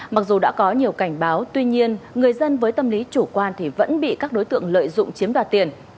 mặc dù đã có nhiều cảnh báo tuy nhiên người dân với tâm lý chủ quan thì vẫn bị các đối tượng lợi dụng chiếm đoạt tiền